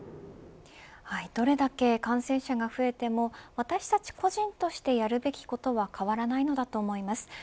どれだけ感染者が増えても私たち個人としてやるべきことは変わらないのだと思います。